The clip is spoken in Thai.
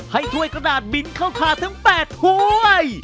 ถ้วยกระดาษบินเข้าขาทั้ง๘ถ้วย